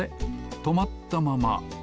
とまったまま。